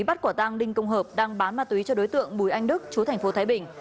bắt quả tang đinh công hợp đang bán ma túy cho đối tượng bùi anh đức chúa thành phố thái bình